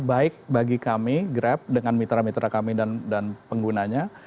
baik bagi kami grab dengan mitra mitra kami dan penggunanya